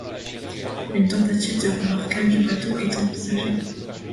Une tentative de remorquage du bateau est envisagée.